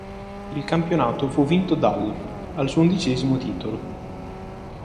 Il campionato fu vinto dall', al suo undicesimo titolo.